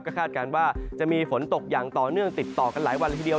ก็คาดการณ์ว่าจะมีฝนตกอย่างต่อเนื่องติดต่อกันหลายวันละทีเดียว